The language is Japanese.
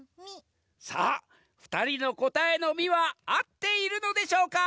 さあふたりのこたえのミはあっているのでしょうか？